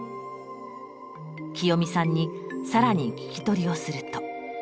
きよみさんにさらに聞き取りをすると。